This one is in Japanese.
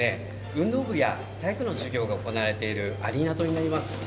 運動部や体育の授業が行われているアリーナ棟になります。